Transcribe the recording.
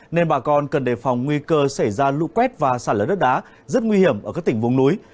nên bà con cần đề phòng nguy cơ xảy ra lụ quét và sản lưới đất đá rất nguy hiểm ở các tỉnh vùng núi